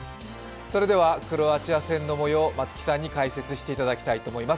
それではクロアチア戦のもよう、松木さんに解説していただきたいと思います。